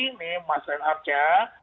ini mas ren arca